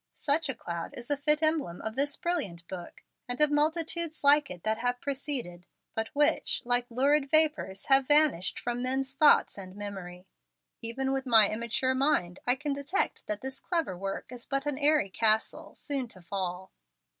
Such a cloud is a fit emblem of this brilliant book, and of multitudes like it that have preceded, but which, like lurid vapors, have vanished from men's thought and memory. Even with my immature mind I can detect that this clever work is but an airy castle, soon to fall.